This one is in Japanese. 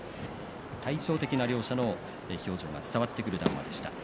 対照的な両者の表情が伝わってくる談話でした。